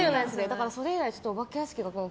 だからそれ以来、お化け屋敷は。